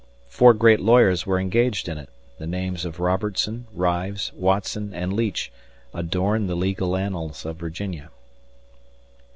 Four great lawyers were engaged in it: the names of Robertson, Rives, Watson, and Leach adorn the legal annals of Virginia."